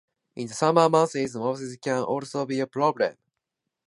In the summer months mosquitos can also be a problem.